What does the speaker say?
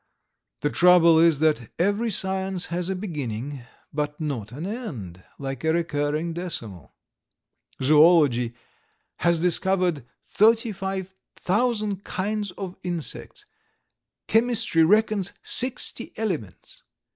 The trouble is that every science has a beginning but not an end, like a recurring decimal. Zoology has discovered 35,000 kinds of insects, chemistry reckons 60 elements.